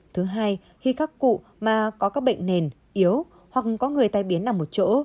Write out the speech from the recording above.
thứ hai khi các cụ mà có các bệnh nền yếu hoặc có người tai biến nằm một chỗ